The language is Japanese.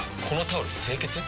このタオル清潔？